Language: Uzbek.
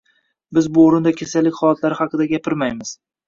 Biz bu o‘rinda kasallik holatlari haqida gapirmaymiz.